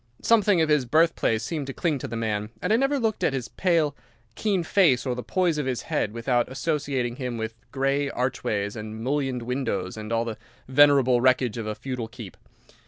Something of his birthplace seemed to cling to the man, and I never looked at his pale, keen face or the poise of his head without associating him with grey archways and mullioned windows and all the venerable wreckage of a feudal keep.